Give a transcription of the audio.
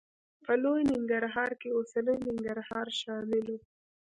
په لوی ننګرهار کې اوسنی ننګرهار شامل و.